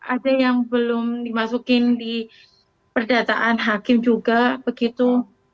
ada yang belum dimasukin di perdataan hakim juga begitu